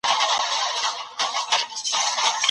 د غچ اخیستلو مستي ډیره ژر له منځه ځي.